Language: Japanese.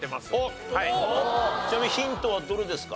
ちなみにヒントはどれですか？